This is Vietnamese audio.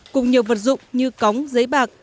cùng nhiều vật dụng như cống giấy bạc